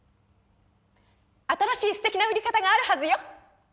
新しいステキな売り方があるはずよ！